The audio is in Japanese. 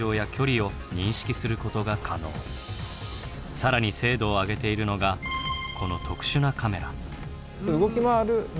更に精度を上げているのがこの特殊なカメラ。